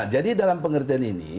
jadi dalam pengertian ini